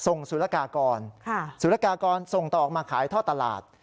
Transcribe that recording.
สุรกากรสุรกากรส่งต่อออกมาขายท่อตลาด